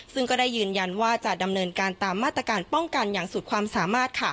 ซึ่งก็ได้ยืนยันว่าจะดำเนินการตามมาตรการป้องกันอย่างสุดความสามารถ